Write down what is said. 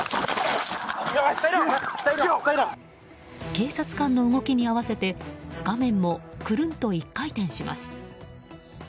警察官の動きに合わせて画面もくるんと１回転します。